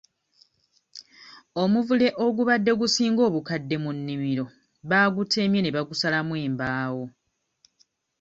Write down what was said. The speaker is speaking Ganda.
Omuvule ogubadde gusinga obukadde mu nnimiro baagutemye ne bagusalamu embaawo.